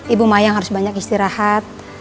ibu mayang harus banyak istirahat